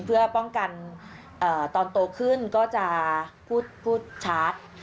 เพื่อป้องกันตอนโตขึ้นก็จะพูดชัด